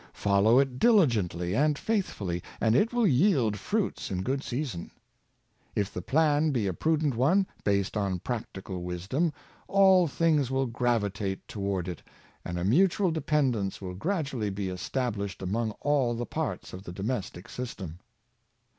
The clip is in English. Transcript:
Follow it diligently and faithfully, and it will yield fruits in good season. If the plan be a prudent one, based on practical wisdom, all things will gravitate toward it, and a mutual depen dence will gradually be established among all the parts of the domestic system.